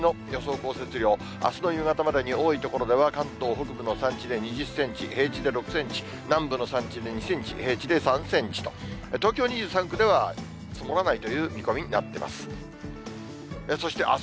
降雪量、あすの夕方までに、多い所では関東北部の山地で２０センチ、平地で６センチ、南部の山地で２センチ、平地で３センチと、東京２３区では積もらないという見込みになってます。